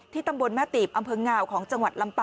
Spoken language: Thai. ตำบลแม่ตีบอำเภองาวของจังหวัดลำปา